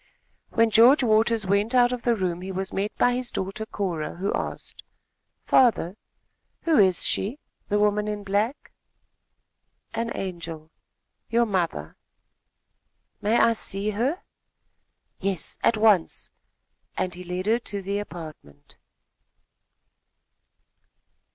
When George Waters went out of the room, he was met by his daughter, Cora, who asked: "Father, who is she the woman in black?" "An angel your mother!" "May I see her?" "Yes, at once," and he led her to the apartment.